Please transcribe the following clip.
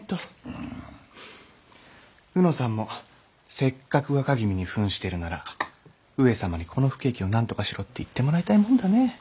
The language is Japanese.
卯之さんもせっかく若君に扮してるなら上様にこの不景気をなんとかしろって言ってもらいたいもんだね。